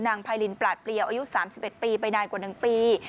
พายลินปลาดเปลี่ยวอายุ๓๑ปีไปนานกว่า๑ปี